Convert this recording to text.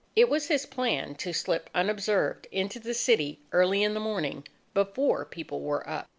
It was his plan to slip unobserved into the city early in the morning before people were up.